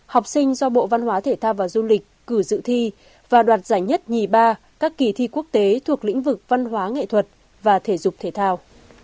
học sinh do bộ văn hóa thể thao và du lịch cử dự thi và đoạt giải nhất nhì ba các kỳ thi quốc tế thuộc lĩnh vực văn hóa nghệ thuật và thể dục thể thao